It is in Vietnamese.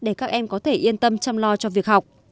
để các em có thể yên tâm chăm lo cho việc học